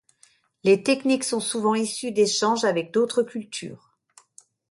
Les techniques sont souvent issues d'échanges avec d'autres cultures.